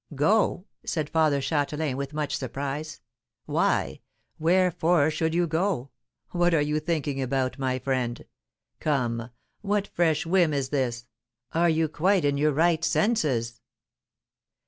"Go!" said Father Châtelain, with much surprise. "Why? Wherefore should you go? What are you thinking about, my friend? Come, what fresh whim is this? Are you quite in your right senses?"